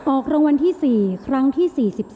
ออกรางวัลที่๔ครั้งที่๔๒